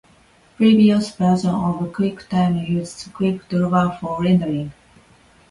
Previous versions of QuickTime used QuickDraw for rendering.